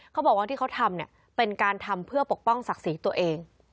เขาบอกว่าที่เขาทำเนี่ยเป็นการทำเพื่อปกป้องศักดิ์ศรีตัวเอง